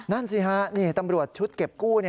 นั่นสิฮะนี่ตำรวจชุดเก็บกู้